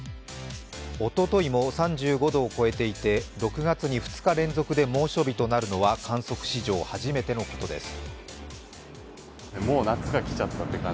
おとといも３５度を超えていて６月に２日連続で猛暑日となるのは観測史上初めてのことです。